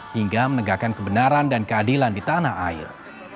hingga menegakkan kebenaran dan keadilan di tanah air